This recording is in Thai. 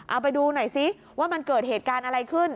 เอาไปดูหน่อยซิว่ามันเกิดเหตุการณ์อะไรขึ้น